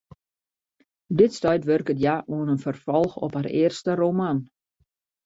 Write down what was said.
Op dit stuit wurket hja oan in ferfolch op har earste roman.